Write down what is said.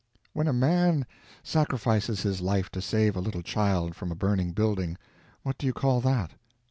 When a man sacrifices his life to save a little child from a burning building, what do you call that?